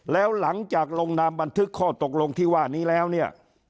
แล้วหลังจากลงนามบันทึกข้อตกลงที่ว่านี้แล้วเนี่ย